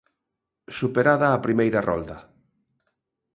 Superada a primeira rolda.